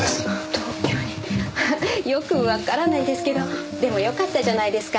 同居人よくわからないですけどでもよかったじゃないですか。